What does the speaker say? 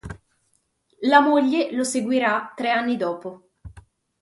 La moglie lo seguirà tre anni dopo.